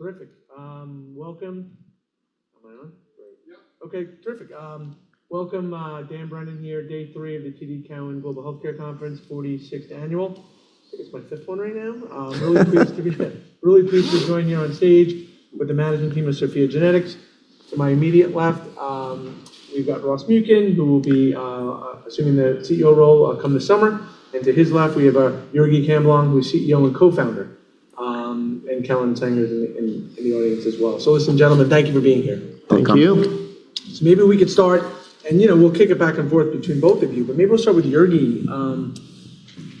Welcome, Dan Brennan here. Day three of the TD Cowen Global Healthcare Conference, 46th annual. I think it's my fifth one right now. really pleased to join you on stage with the management team of SOPHiA GENETICS. To my immediate left, we've got Ross Muken, who will be assuming the CEO role come this summer. To his left, we have Jurgi Camblong, who's CEO and co-founder. Kellen Sanger is in the audience as well. Listen, gentlemen, thank you for being here. Thank you. Maybe we could start. You know, we'll kick it back and forth between both of you, but maybe we'll start with Jurgi.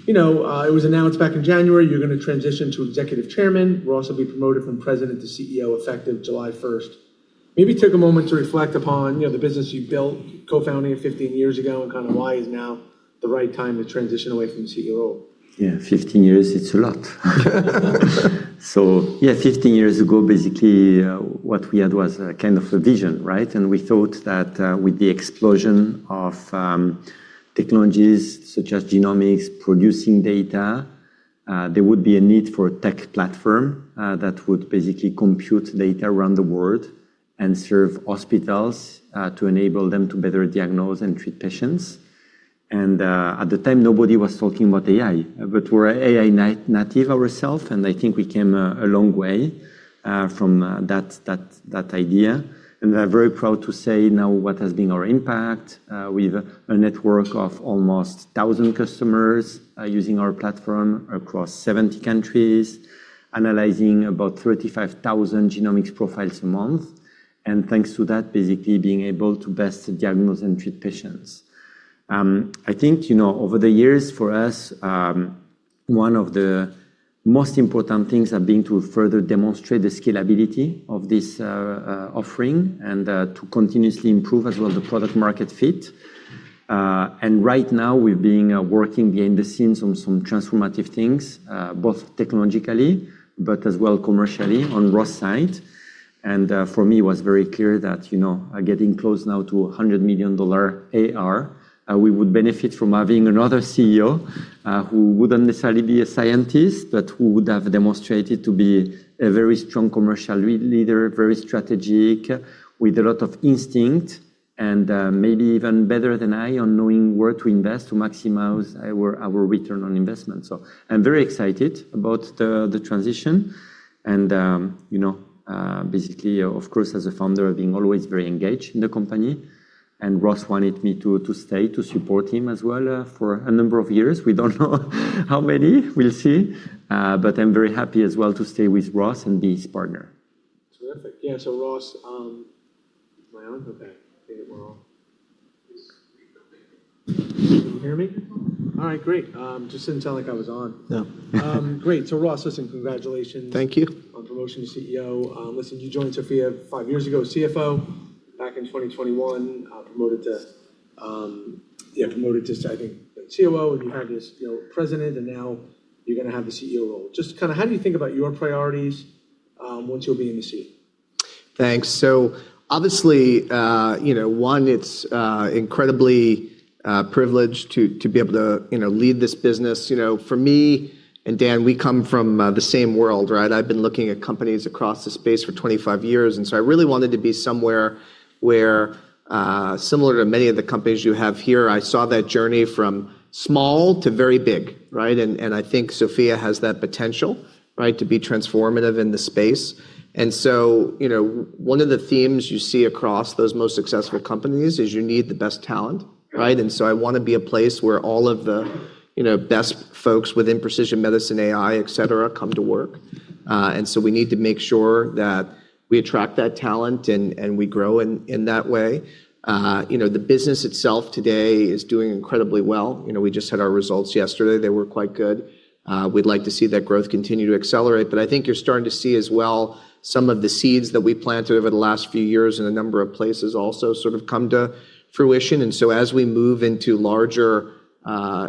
You know, it was announced back in January you're gonna transition to executive chairman, will also be promoted from president to CEO effective July 1st. Maybe take a moment to reflect upon, you know, the business you built co-founding it 15 years ago, and kinda why is now the right time to transition away from the CEO role. Yeah, 15 years, it's a lot. Yeah, 15 years ago, basically, what we had was a kind of a vision, right? We thought that, with the explosion of technologies such as genomics producing data, there would be a need for a tech platform that would basically compute data around the world and serve hospitals to enable them to better diagnose and treat patients. At the time, nobody was talking about AI. We're AI native ourself, and I think we came a long way from that idea. I'm very proud to say now what has been our impact. We've a network of almost 1,000 customers using our platform across 70 countries, analyzing about 35,000 genomics profiles a month. Thanks to that, basically being able to best diagnose and treat patients. I think, you know, over the years for us, one of the most important things have been to further demonstrate the scalability of this offering and to continuously improve as well the product market fit. Right now we're being working behind the scenes on some transformative things, both technologically but as well commercially on Ross' side. For me, it was very clear that, you know, getting close now to a $100 million AR, we would benefit from having another CEO, who wouldn't necessarily be a scientist, but who would have demonstrated to be a very strong commercial leader, very strategic, with a lot of instinct and maybe even better than I on knowing where to invest to maximize our return on investment. I'm very excited about the transition and, you know, basically, of course, as a founder, being always very engaged in the company. Ross wanted me to stay to support him as well, for a number of years. We don't know how many. We'll see. I'm very happy as well to stay with Ross and be his partner. Terrific. Yeah. Ross, Am I on? Okay, we're on. Can you hear me? All right, great. Just didn't sound like I was on. No. Great. Ross, listen, congratulations. Thank you. on promotion to CEO. Listen, you joined SOPHiA five years ago, CFO. Back in 2021, promoted to, I think, COO. You had this, you know, president, and now you're gonna have the CEO role. Just kinda how do you think about your priorities, once you'll be in the seat? Thanks. Obviously, you know, one, it's incredibly privileged to be able to, you know, lead this business. You know, for me and Dan, we come from the same world, right? I've been looking at companies across the space for 25 years. I really wanted to be somewhere where, similar to many of the companies you have here, I saw that journey from small to very big, right? I think SOPHiA has that potential, right? To be transformative in the space. You know, one of the themes you see across those most successful companies is you need the best talent, right? I wanna be a place where all of the, you know, best folks within precision medicine, AI, et cetera, come to work. We need to make sure that we attract that talent and we grow in that way. You know, the business itself today is doing incredibly well. You know, we just had our results yesterday. They were quite good. We'd like to see that growth continue to accelerate. I think you're starting to see as well some of the seeds that we planted over the last few years in a number of places also sort of come to fruition. As we move into larger,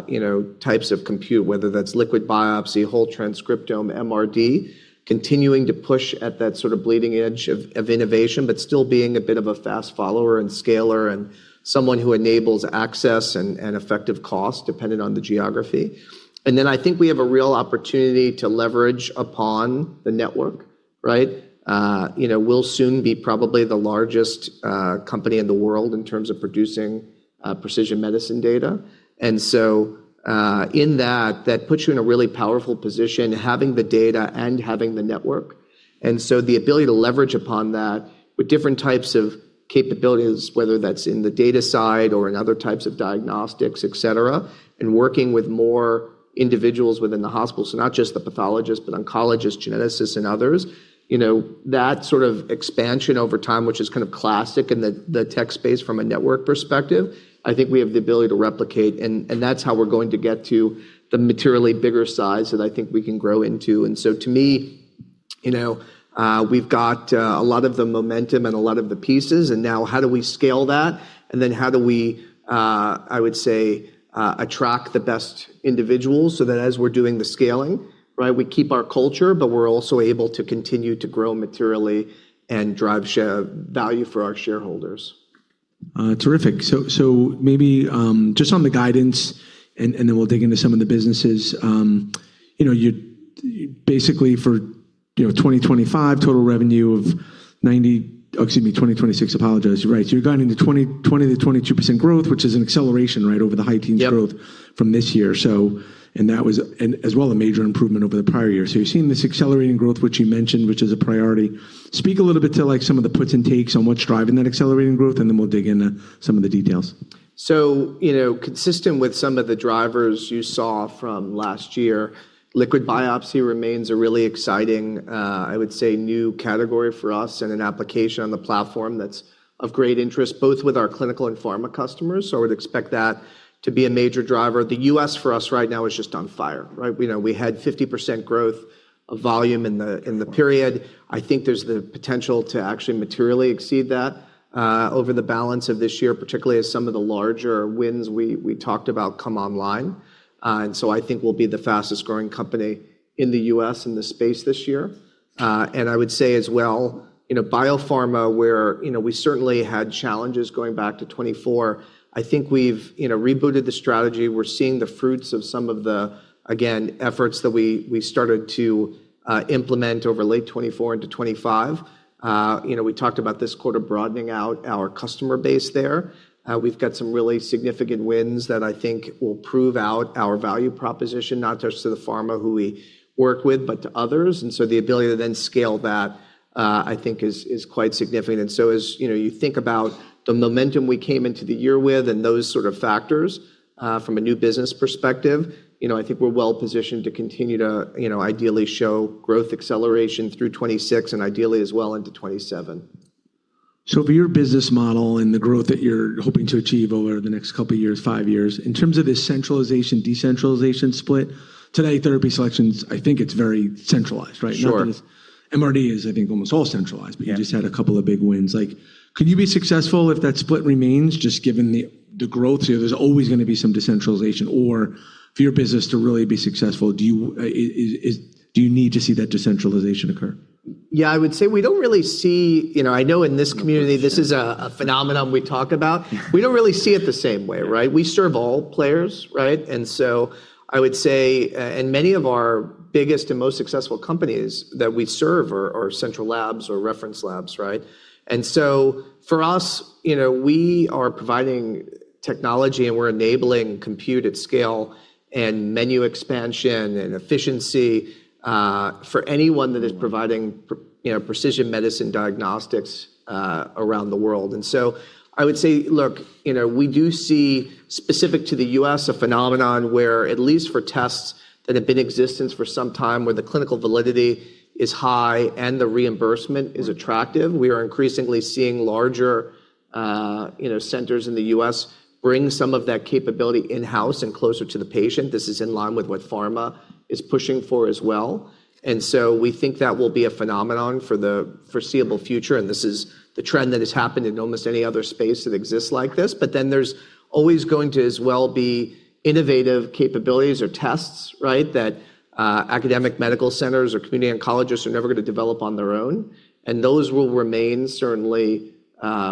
you know, types of compute, whether that's liquid biopsy, whole transcriptome, MRD, continuing to push at that sort of bleeding edge of innovation, but still being a bit of a fast follower and scaler and someone who enables access and effective cost depending on the geography. I think we have a real opportunity to leverage upon the network, right? You know, we'll soon be probably the largest company in the world in terms of producing precision medicine data. In that puts you in a really powerful position, having the data and having the network. The ability to leverage upon that with different types of capabilities, whether that's in the data side or in other types of diagnostics, et cetera, and working with more individuals within the hospital. Not just the pathologist, but oncologist, geneticists, and others. You know, that sort of expansion over time, which is kind of classic in the tech space from a network perspective, I think we have the ability to replicate, and that's how we're going to get to the materially bigger size that I think we can grow into. To me, you know, we've got a lot of the momentum and a lot of the pieces, and now how do we scale that? How do we, I would say, attract the best individuals so that as we're doing the scaling, right, we keep our culture, but we're also able to continue to grow materially and drive value for our shareholders. Terrific. Maybe, just on the guidance and then we'll dig into some of the businesses. You know, you basically for, you know 2025, to the revenue of, excuse me, 2026. Apologize. Right. You're guiding to 20%-22% growth, which is an acceleration right over the high-teens growth. Yep. from this year. As well, a major improvement over the prior year. You're seeing this accelerating growth which you mentioned, which is a priority. Speak a little bit to like some of the puts and takes on what's driving that accelerating growth, and then we'll dig into some of the details. You know, consistent with some of the drivers you saw from last year, liquid biopsy remains a really exciting, I would say, new category for us and an application on the platform that's of great interest both with our clinical and pharma customers. I would expect that to be a major driver. The U.S. for us right now is just on fire, right? You know, we had 50% growth of volume in the period. I think there's the potential to actually materially exceed that over the balance of this year, particularly as some of the larger wins we talked about come online. I think we'll be the fastest-growing company in the U.S. in this space this year. I would say as well, you know, biopharma, where, you know, we certainly had challenges going back to 2024, I think we've, you know, rebooted the strategy. We're seeing the fruits of some of the, again, efforts that we started to implement over late 2024 into 2025. You know, we talked about this quarter broadening out our customer base there. We've got some really significant wins that I think will prove out our value proposition, not just to the pharma who we work with, but to others. The ability to then scale that, I think is quite significant. As you know, you think about the momentum we came into the year with and those sort of factors, from a new business perspective, you know, I think we're well-positioned to continue to, you know, ideally show growth acceleration through 2026 and ideally as well into 2027. For your business model and the growth that you're hoping to achieve over the next couple of years, five years, in terms of the centralization, decentralization split, today therapy selections I think it's very centralized, right? Sure. Not that MRD is, I think, almost all centralized. Yeah. You just had a couple of big wins. Like, could you be successful if that split remains, just given the growth here? There's always going to be some decentralization. For your business to really be successful, do you need to see that decentralization occur? Yeah, I would say we don't really see... You know, I know in this community this is a phenomenon we talk about. We don't really see it the same way, right? We serve all players, right? I would say, and many of our biggest and most successful companies that we serve are central labs or reference labs, right? For us, you know, we are providing technology, and we're enabling compute at scale and menu expansion and efficiency, for anyone that is providing you know, precision medicine diagnostics, around the world. I would say, look, you know, we do see specific to the U.S. a phenomenon where at least for tests that have been in existence for some time, where the clinical validity is high and the reimbursement is attractive, we are increasingly seeing larger, you know, centers in the U.S. bring some of that capability in-house and closer to the patient. This is in line with what pharma is pushing for as well. We think that will be a phenomenon for the foreseeable future, and this is the trend that has happened in almost any other space that exists like this. There's always going to as well be innovative capabilities or tests, right, that academic medical centers or community oncologists are never going to develop on their own. Those will remain certainly,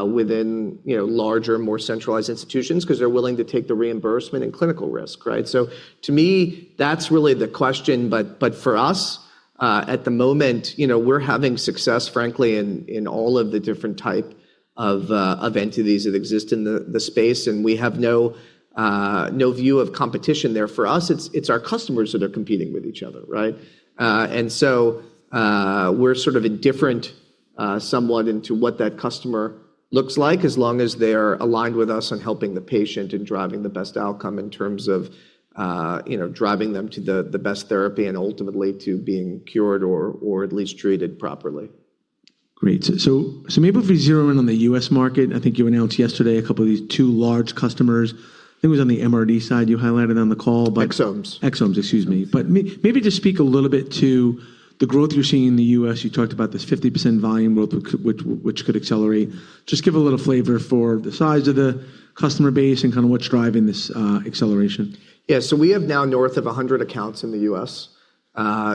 within, you know, larger, more centralized institutions because they're willing to take the reimbursement and clinical risk, right? To me, that's really the question. For us, at the moment, you know, we're having success, frankly, in all of the different type of entities that exist in the space, and we have no view of competition there. For us, it's our customers that are competing with each other, right? We're sort of indifferent, somewhat into what that customer looks like as long as they're aligned with us on helping the patient and driving the best outcome in terms of, you know, driving them to the best therapy and ultimately to being cured or at least treated properly. Great. Maybe if we zero in on the U.S. market, I think you announced yesterday a couple of these two large customers. I think it was on the MRD side you highlighted on the call. Exomes. Exomes, excuse me. Maybe just speak a little bit to the growth you're seeing in the U.S. You talked about this 50% volume growth which could accelerate. Just give a little flavor for the size of the customer base and kind of what's driving this acceleration. Yeah. We have now north of 100 accounts in the U.S.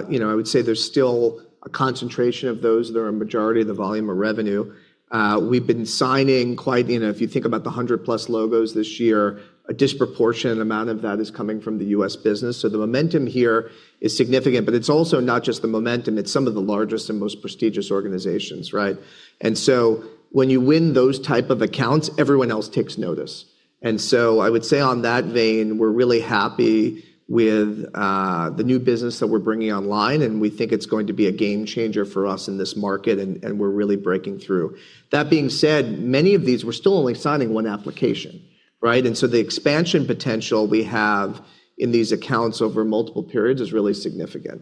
you know, I would say there's still a concentration of those that are a majority of the volume of revenue. You know, if you think about the 100+ logos this year, a disproportionate amount of that is coming from the U.S. business. The momentum here is significant, but it's also not just the momentum, it's some of the largest and most prestigious organizations, right? When you win those type of accounts, everyone else takes notice. I would say on that vein, we're really happy with the new business that we're bringing online, and we think it's going to be a game changer for us in this market and we're really breaking through. That being said, many of these, we're still only signing one application, right? The expansion potential we have in these accounts over multiple periods is really significant.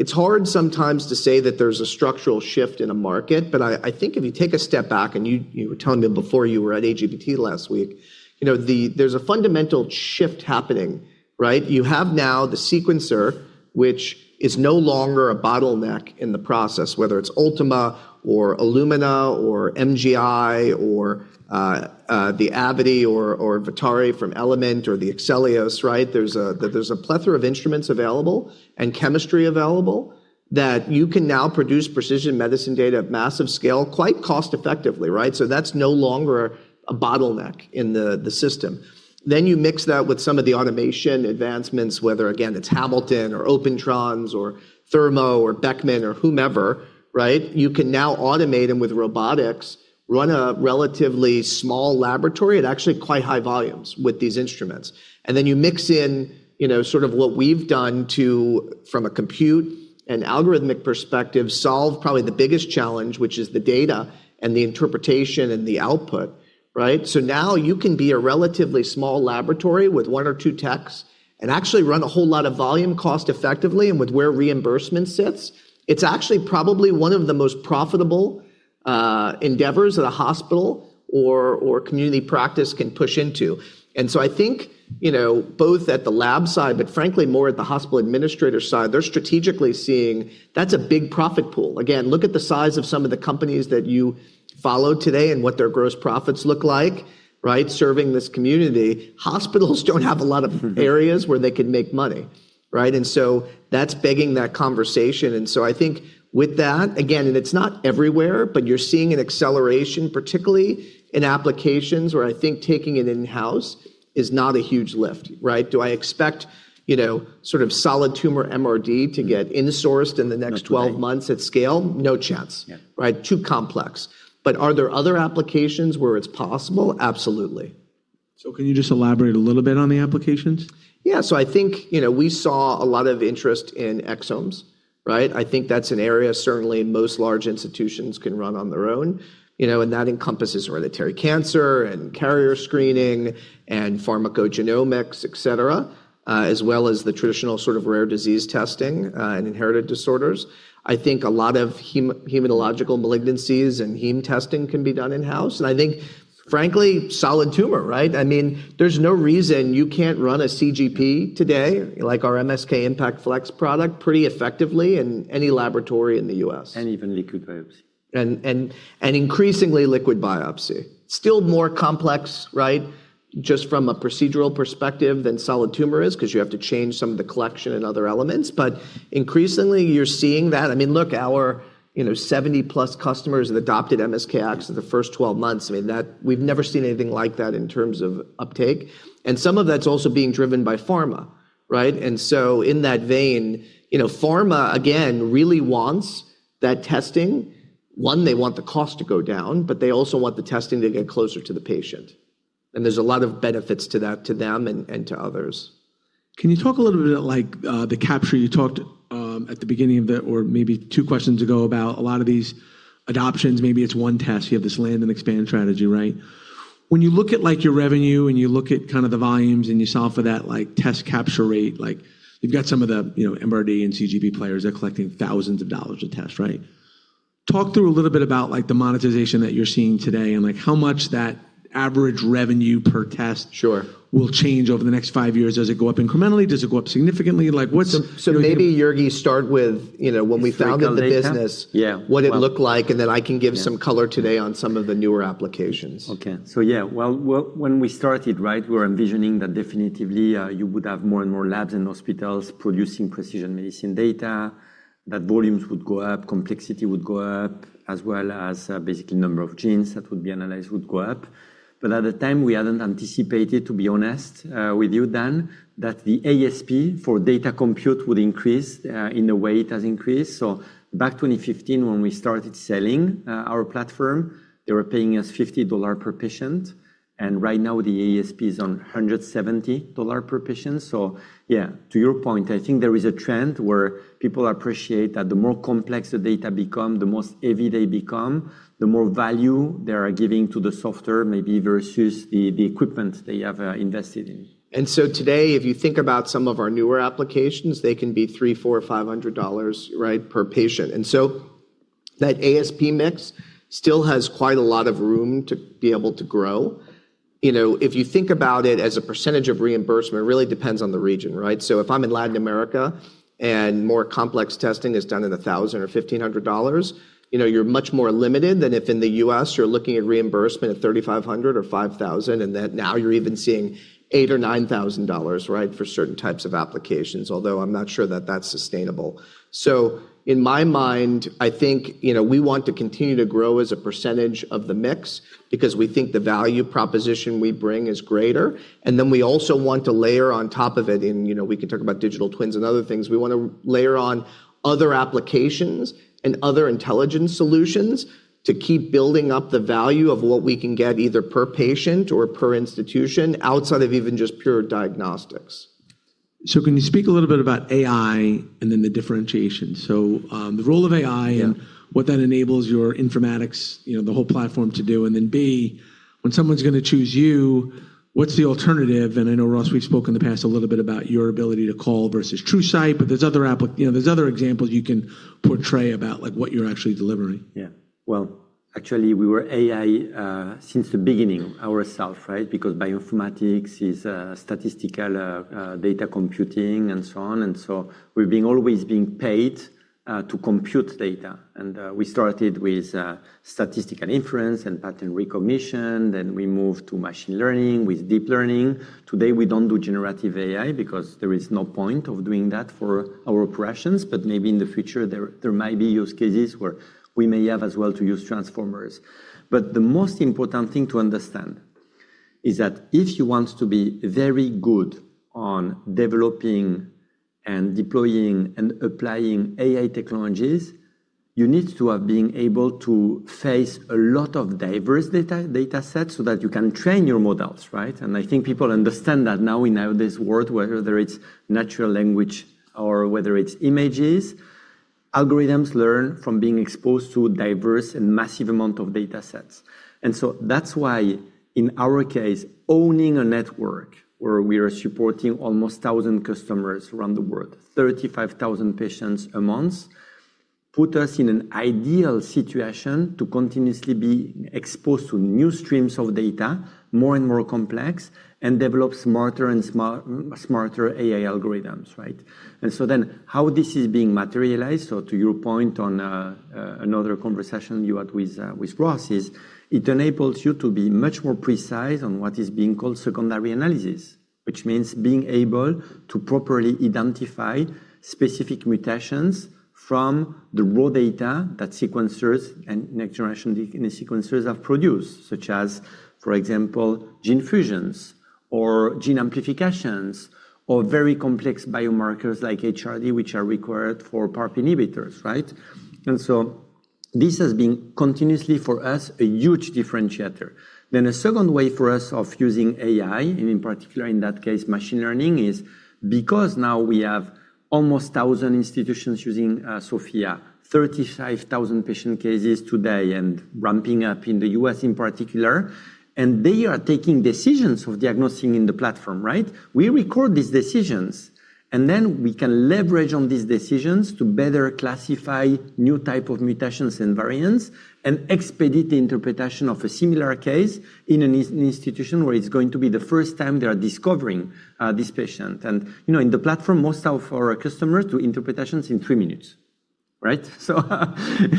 It's hard sometimes to say that there's a structural shift in a market, but I think if you take a step back and you were telling me before you were at AGBT last week, you know, there's a fundamental shift happening, right? You have now the sequencer, which is no longer a bottleneck in the process, whether it's Ultima or Illumina or MGI or AVITI or VITARI from Element or the Achelous, right? There's a plethora of instruments available and chemistry available that you can now produce precision medicine data at massive scale quite cost effectively, right? So that's no longer a bottleneck in the system. You mix that with some of the automation advancements, whether again, it's Hamilton or Opentrons or Thermo or Beckman or whomever, right? You can now automate them with robotics, run a relatively small laboratory at actually quite high volumes with these instruments. You mix in, you know, sort of what we've done to, from a compute and algorithmic perspective, solve probably the biggest challenge, which is the data and the interpretation and the output, right? You can be a relatively small laboratory with one or two techs and actually run a whole lot of volume cost effectively and with where reimbursement sits. It's actually probably one of the most profitable endeavors that a hospital or community practice can push into. I think, you know, both at the lab side, but frankly more at the hospital administrator side, they're strategically seeing that's a big profit pool. Again, look at the size of some of the companies that you follow today and what their gross profits look like, right, serving this community. Hospitals don't have a lot of areas where they can make money, right? That's begging that conversation. I think with that, again, and it's not everywhere, but you're seeing an acceleration, particularly in applications where I think taking it in-house is not a huge lift, right? Do I expect, you know, sort of solid tumor MRD to get in-sourced in the next 12 months at scale? No chance. Yeah. Right? Too complex. Are there other applications where it's possible? Absolutely. Can you just elaborate a little bit on the applications? I think, you know, we saw a lot of interest in exomes, right? I think that's an area certainly most large institutions can run on their own, you know, and that encompasses hereditary cancer and carrier screening and pharmacogenomics, et cetera, as well as the traditional sort of rare disease testing, and inherited disorders. I think a lot of hematological malignancies and heme testing can be done in-house. I think frankly, solid tumor, right? I mean, there's no reason you can't run a CGP today like our MSK-IMPACT Flex product pretty effectively in any laboratory in the U.S. even liquid biopsy. Increasingly liquid biopsy. Still more complex, right? Just from a procedural perspective than solid tumor is because you have to change some of the collection and other elements. Increasingly you're seeing that. I mean, look, our, you know, 70+ customers have adopted MSK-ACCESS in the first 12 months. I mean, that we've never seen anything like that in terms of uptake. Some of that's also being driven by pharma, right? In that vein, you know, pharma again really wants that testing. One, they want the cost to go down, but they also want the testing to get closer to the patient. There's a lot of benefits to that, to them and to others. Can you talk a little bit about like the capture you talked, or maybe two questions ago, about a lot of these adoptions? Maybe it's one test. You have this land and expand strategy, right? When you look at like your revenue and you look at kind of the volumes and you solve for that like test capture rate, like you've got some of the, you know, MRD and CGP players, they're collecting thousands of dollars a test, right? Talk through a little bit about like the monetization that you're seeing today and like how much that average revenue per test? Sure. will change over the next five years. Does it go up incrementally? Does it go up significantly? Maybe, Jurgi, start with, you know, when we founded the business. Yeah. -what it looked like, and then I can give some color today on some of the newer applications. Okay. Yeah, well when we started, right, we were envisioning that definitively, you would have more and more labs and hospitals producing precision medicine data, that volumes would go up, complexity would go up, as well as, basically number of genes that would be analyzed would go up. At the time, we hadn't anticipated, to be honest, with you, Dan, that the ASP for data compute would increase, in the way it has increased. Back 2015 when we started selling, our platform, they were paying us $50 per patient, and right now the ASP is on $170 per patient. Yeah, to your point, I think there is a trend where people appreciate that the more complex the data become, the most heavy they become, the more value they are giving to the software maybe versus the equipment they have invested in. Today, if you think about some of our newer applications, they can be $300, $400, $500, right, per patient. That ASP mix still has quite a lot of room to be able to grow. You know, if you think about it as a percentage of reimbursement, it really depends on the region, right? If I'm in Latin America and more complex testing is done at $1,000 or $1,500, you know, you're much more limited than if in the U.S. you're looking at reimbursement at $3,500 or $5,000, and that now you're even seeing $8,000 or $9,000, right, for certain types of applications. Although I'm not sure that that's sustainable. In my mind, I think, you know, we want to continue to grow as a percentage of the mix because we think the value proposition we bring is greater. We also want to layer on top of it in, you know, we can talk about digital twins and other things. We want to layer on other applications and other intelligent solutions to keep building up the value of what we can get either per patient or per institution outside of even just pure diagnostics. Can you speak a little bit about AI and then the differentiation? The role of AI Yeah. What that enables your informatics, you know, the whole platform to do, and then B, when someone's gonna choose you, what's the alternative? I know, Ross, we've spoken in the past a little bit about your ability to call versus TruSight, but you know, there's other examples you can portray about like what you're actually delivering. Yeah. Well, actually we were AI, since the beginning ourself, right? Because bioinformatics is statistical data computing and so on. We're being always paid To compute data. We started with statistical inference and pattern recognition, then we moved to machine learning with deep learning. Today, we don't do generative AI because there is no point of doing that for our operations, but maybe in the future there might be use cases where we may have as well to use transformers. The most important thing to understand is that if you want to be very good on developing and deploying and applying AI technologies, you need to have been able to face a lot of diverse data, datasets so that you can train your models, right? I think people understand that now in this world, whether it's natural language or whether it's images, algorithms learn from being exposed to diverse and massive amount of datasets. That's why, in our case, owning a network where we are supporting almost 1,000 customers around the world, 35,000 patients a month, put us in an ideal situation to continuously be exposed to new streams of data, more and more complex, and develop smarter and smarter AI algorithms, right? How this is being materialized, so to your point on another conversation you had with Ross, is it enables you to be much more precise on what is being called secondary analysis, which means being able to properly identify specific mutations from the raw data that sequencers and next generation sequencers have produced, such as, for example, gene fusions or gene amplifications or very complex biomarkers like HRD, which are required for PARP Inhibitors, right? This has been continuously, for us, a huge differentiator. A second way for us of using AI, and in particular in that case machine learning, is because now we have almost 1,000 institutions using SOPHiA GENETICS, 35,000 patient cases today and ramping up in the U.S. in particular. They are taking decisions of diagnosing in the platform, right. We record these decisions. We can leverage on these decisions to better classify new type of mutations and variants and expedite the interpretation of a similar case in an institution where it's going to be the first time they are discovering this patient. You know, in the platform, most of our customers do interpretations in three minutes, right.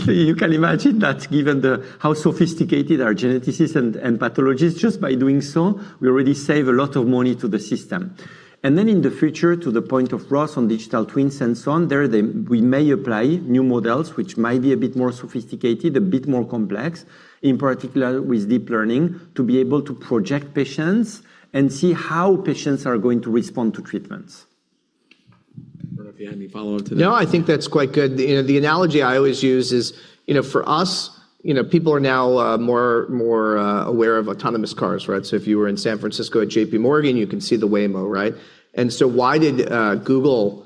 You can imagine that how sophisticated our geneticists and pathologists, just by doing so, we already save a lot of money to the system. In the future, to the point of Ross on digital twins and so on, we may apply new models which might be a bit more sophisticated, a bit more complex, in particular with deep learning, to be able to project patients and see how patients are going to respond to treatments. I don't know if you had any follow-up to that. No, I think that's quite good. You know, the analogy I always use is, you know, for us, you know, people are now more aware of autonomous cars, right? If you were in San Francisco at JPMorgan, you can see the Waymo, right? Why did Google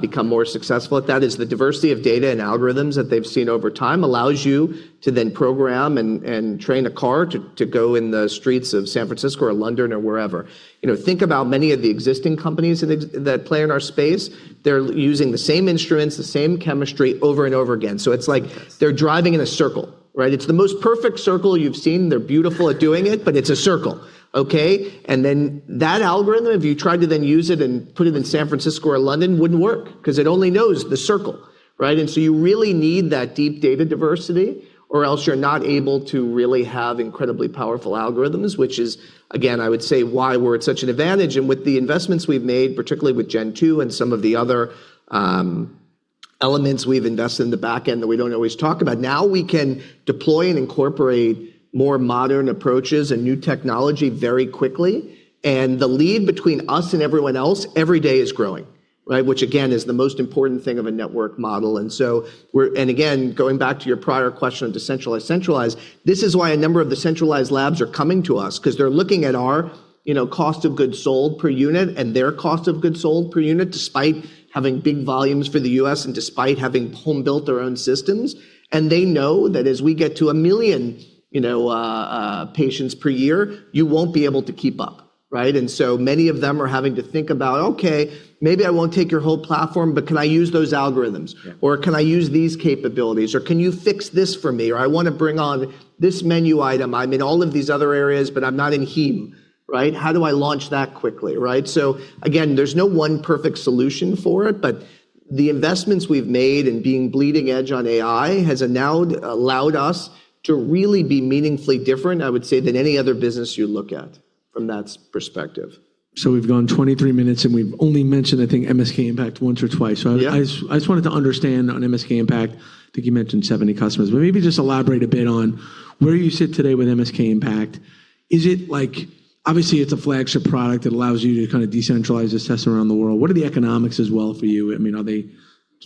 become more successful at that is the diversity of data and algorithms that they've seen over time allows you to then program and train a car to go in the streets of San Francisco or London or wherever. You know, think about many of the existing companies that play in our space. They're using the same instruments, the same chemistry over and over again. It's like they're driving in a circle, right? It's the most perfect circle you've seen. They're beautiful at doing it, but it's a circle, okay? That algorithm, if you tried to then use it and put it in San Francisco or London, wouldn't work 'cause it only knows the circle, right? You really need that deep data diversity or else you're not able to really have incredibly powerful algorithms, which is, again, I would say, why we're at such an advantage. With the investments we've made, particularly with Gen Two and some of the other elements we've invested in the back end that we don't always talk about, now we can deploy and incorporate more modern approaches and new technology very quickly. The lead between us and everyone else every day is growing, right? Which again is the most important thing of a network model. Again, going back to your prior question of decentralized, centralized, this is why a number of the centralized labs are coming to us, 'cause they're looking at our, you know, cost of goods sold per unit and their cost of goods sold per unit despite having big volumes for the U.S. and despite having home-built their own systems. They know that as we get to a million, you know, patients per year, you won't be able to keep up, right? Many of them are having to think about, "Okay, maybe I won't take your whole platform, but can I use those algorithms? Yeah. Can I use these capabilities?" "Can you fix this for me?" "I wanna bring on this menu item. I'm in all of these other areas, but I'm not in heme," right? "How do I launch that quickly," right? Again, there's no one perfect solution for it, but the investments we've made in being bleeding edge on AI has allowed us to really be meaningfully different, I would say, than any other business you look at from that perspective. We've gone 23 minutes, and we've only mentioned, I think, MSK-IMPACT once or twice. Yeah. I just wanted to understand on MSK-IMPACT, I think you mentioned 70 customers. Maybe just elaborate a bit on where you sit today with MSK-IMPACT. Is it like, obviously, it's a flagship product that allows you to kind of decentralize assessments around the world? What are the economics as well for you? I mean. Very good.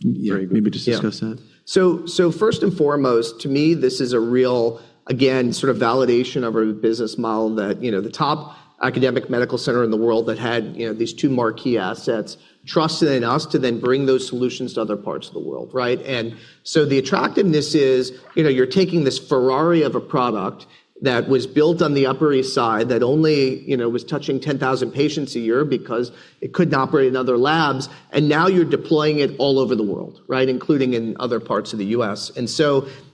Yeah, maybe just discuss that. First and foremost, to me, this is a real, again, sort of validation of our business model that, you know, the top academic medical center in the world that had, you know, these two marquee assets trusted in us to then bring those solutions to other parts of the world, right? The attractiveness is, you know, you're taking this Ferrari of a product that was built on the Upper East Side that only, you know, was touching 10,000 patients a year because it couldn't operate in other labs, and now you're deploying it all over the world, right? Including in other parts of the U.S.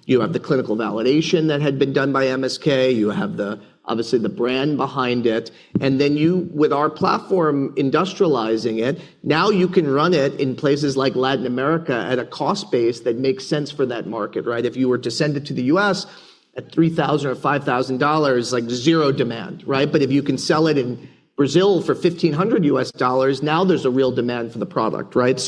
You have the clinical validation that had been done by MSK. You have the, obviously the brand behind it. You, with our platform industrializing it, now you can run it in places like Latin America at a cost base that makes sense for that market, right? If you were to send it to the USA at $3,000 or $5,000, like zero demand, right? If you can sell it in Brazil for $1,500, now there's a real demand for the product, right?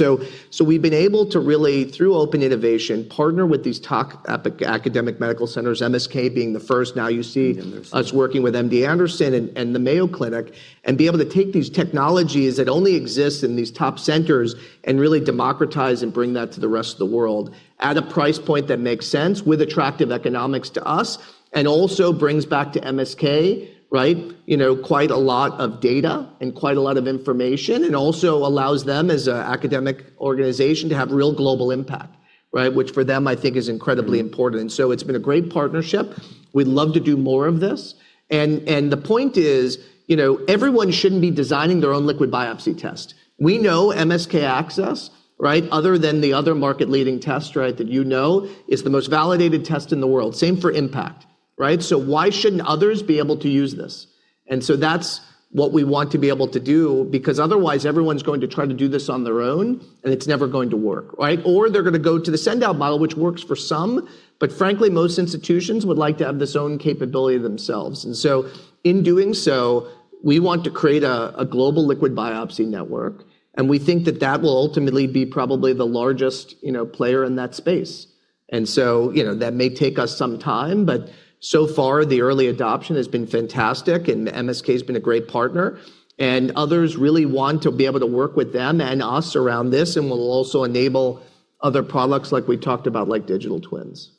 We've been able to really, through open innovation, partner with these top epic academic medical centers, MSK being the first. Now you see- MD Anderson. us working with MD Anderson and the Mayo Clinic, and be able to take these technologies that only exist in these top centers and really democratize and bring that to the rest of the world at a price point that makes sense with attractive economics to us, and also brings back to MSK, right, you know, quite a lot of data and quite a lot of information. Also allows them as a academic organization to have real global impact, right. Which for them, I think is incredibly important. It's been a great partnership. We'd love to do more of this. The point is, you know, everyone shouldn't be designing their own liquid biopsy test. We know MSK-ACCESS, right, other than the other market-leading test, right, that you know, is the most validated test in the world. Same for MSK-IMPACT, right. Why shouldn't others be able to use this? That's what we want to be able to do, because otherwise everyone's going to try to do this on their own, and it's never going to work, right? They're gonna go to the send out model, which works for some, but frankly, most institutions would like to have this own capability themselves. In doing so, we want to create a global liquid biopsy network, and we think that that will ultimately be probably the largest, you know, player in that space. You know, that may take us some time, but so far the early adoption has been fantastic and MSK has been a great partner. Others really want to be able to work with them and us around this and will also enable other products like we talked about, like digital twins.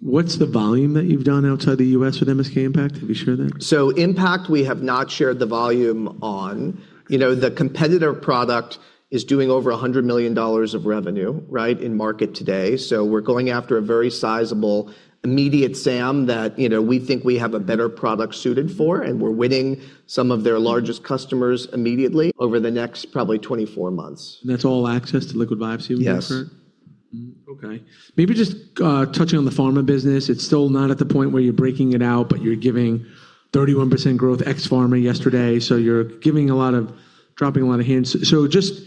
What's the volume that you've done outside the U.S. with MSK-IMPACT? Have you shared that? IMPACT, we have not shared the volume on. You know, the competitor product is doing over $100 million of revenue, right, in market today. We're going after a very sizable immediate SAM that, you know, we think we have a better product suited for, and we're winning some of their largest customers immediately over the next probably 24 months. That's all access to liquid biopsy with that current? Yes. Okay. Maybe just, touching on the pharma business. It's still not at the point where you're breaking it out, but you're giving 31% growth ex-pharma yesterday. You're dropping a lot of hints. Just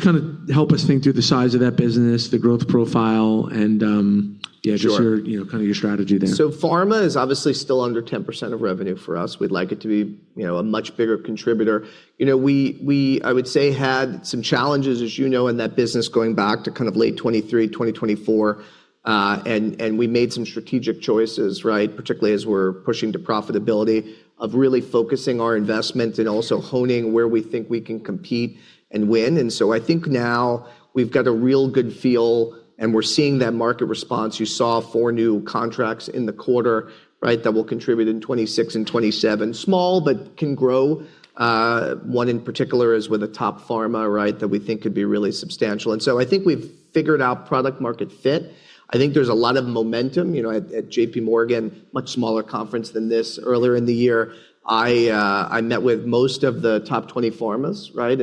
kinda help us think through the size of that business, the growth profile and, Sure. Yeah, just your, you know, kind of your strategy there. pharma is obviously still under 10% of revenue for us. We'd like it to be, you know, a much bigger contributor. You know, we, I would say, had some challenges, as you know, in that business going back to kind of late 2023, 2024, and we made some strategic choices, right? Particularly as we're pushing to profitability of really focusing our investment and also honing where we think we can compete and win. I think now we've got a real good feel, and we're seeing that market response. You saw four new contracts in the quarter, right? That will contribute in 2026 and 2027. Small, but can grow. One in particular is with a top pharma, right? That we think could be really substantial. I think we've figured out product market fit. I think there's a lot of momentum. You know, at JPMorgan, much smaller conference than this earlier in the year, I met with most of the top 20 pharmas, right?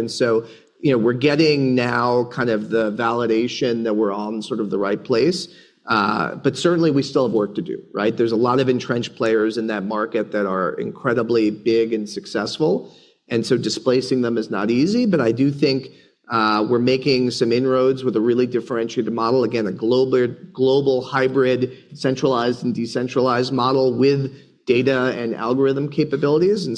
You know, we're getting now kind of the validation that we're on sort of the right place. Certainly we still have work to do, right? There's a lot of entrenched players in that market that are incredibly big and successful, and so displacing them is not easy. I do think we're making some inroads with a really differentiated model. Again, a global hybrid, centralized and decentralized model with data and algorithm capabilities.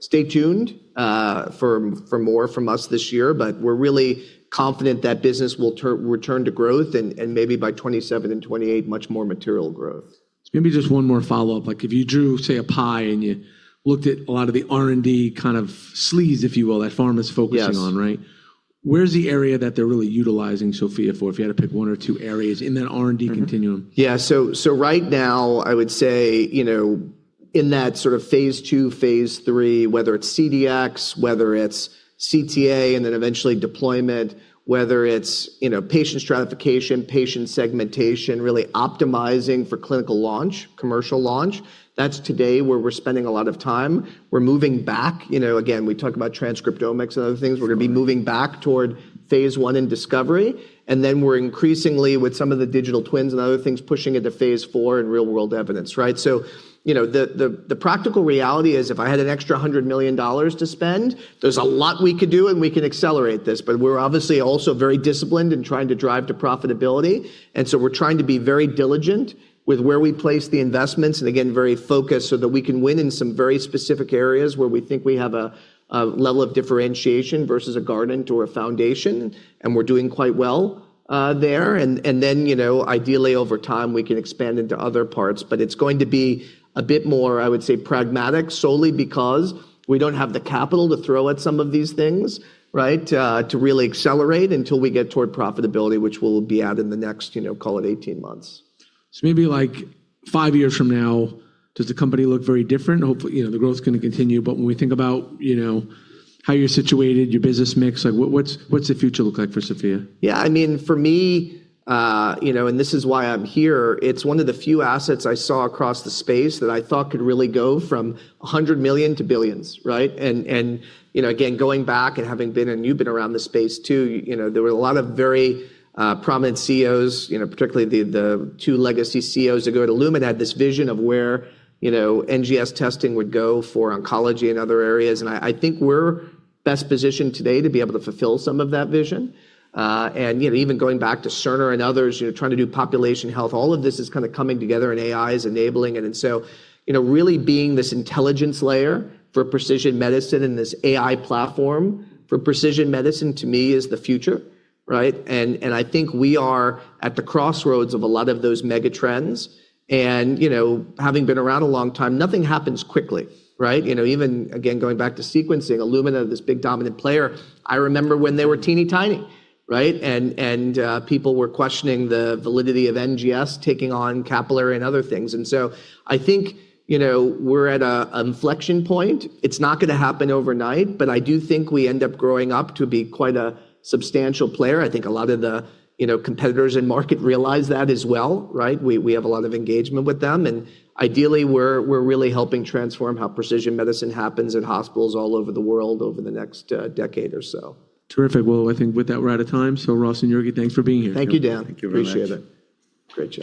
Stay tuned for more from us this year. We're really confident that business will return to growth and maybe by 2027 and 2028 much more material growth. Maybe just one more follow-up. Like if you drew, say, a pie and you looked at a lot of the R&D kind of sleeves, if you will, that pharma's focusing on. Yes. right? Where's the area that they're really utilizing SOPHiA for, if you had to pick one or two areas in that R&D continuum? Mm-hmm. Yeah. Right now, I would say, you know, in that sort of phase II, phase III, whether it's CDx, whether it's CTA, and then eventually deployment. Whether it's, you know, patient stratification, patient segmentation, really optimizing for clinical launch, commercial launch, that's today where we're spending a lot of time. We're moving back. You know, again, we talk about transcriptomics and other things. Right. We're gonna be moving back toward phase one in discovery, and then we're increasingly with some of the digital twins and other things, pushing into phase four in real-world evidence, right? You know, the practical reality is if I had an extra $100 million to spend, there's a lot we could do and we can accelerate this. We're obviously also very disciplined in trying to drive to profitability. We're trying to be very diligent with where we place the investments and again, very focused so that we can win in some very specific areas where we think we have a level of differentiation versus a Guardant or a Foundation, and we're doing quite well there. You know, ideally over time, we can expand into other parts. It's going to be a bit more, I would say, pragmatic solely because we don't have the capital to throw at some of these things, right, to really accelerate until we get toward profitability, which we'll be at in the next, you know, call it 18 months. Maybe like five years from now, does the company look very different? Hopefully, you know, the growth is gonna continue, but when we think about, you know, how you're situated, your business mix, like what's the future look like for SOPHiA? I mean, for me, you know, this is why I'm here, it's one of the few assets I saw across the space that I thought could really go from $100 million to billions, right? You know, again, going back and having been, and you've been around the space too, you know, there were a lot of very, prominent CEOs, you know, particularly the two legacy CEOs ago at Illumina had this vision of where, you know, NGS testing would go for oncology and other areas. I think we're best positioned today to be able to fulfill some of that vision. You know, even going back to Cerner and others, you know, trying to do population health, all of this is kind of coming together and AI is enabling it. you know, really being this intelligence layer for precision medicine and this AI platform for precision medicine to me is the future, right? I think we are at the crossroads of a lot of those mega trends. you know, having been around a long time, nothing happens quickly, right? you know, even again, going back to sequencing, Illumina, this big dominant player, I remember when they were teeny-tiny, right? people were questioning the validity of NGS taking on capillary and other things. I think, you know, we're at a, an inflection point. It's not gonna happen overnight, but I do think we end up growing up to be quite a substantial player. I think a lot of the, you know, competitors in market realize that as well, right? We have a lot of engagement with them, ideally, we're really helping transform how precision medicine happens in hospitals all over the world over the next decade or so. Terrific. Well, I think with that, we're out of time. Ross and Jurgi, thanks for being here. Thank you, Dan. Thank you very much. Appreciate it. Great job.